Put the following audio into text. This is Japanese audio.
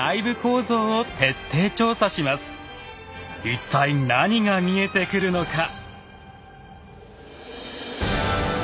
一体何が見えてくるのか。